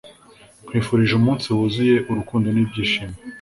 Nkwifurije umunsi wuzuye urukundo n'ibyishimo